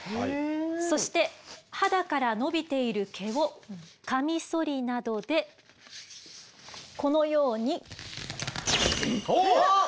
そして肌から伸びている毛をカミソリなどでこのように。おっ！あっ！